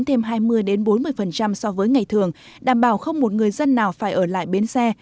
thêm hai mươi bốn mươi so với ngày thường đảm bảo không một người dân nào phải ở lại bến xe